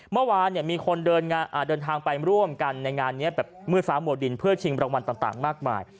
เมื่อวานมีคนเดินทางไปร่วมกันในงานนี้แบบมืดฟ้ามัวดินเพื่อชิงรางวัลต่างมากมาย